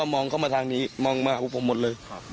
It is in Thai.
มาผ่านเราสิหรอ